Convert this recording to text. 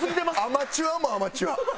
アマチュアもアマチュア。